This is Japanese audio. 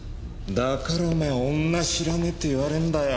だからお前は女知らねえって言われんだよ。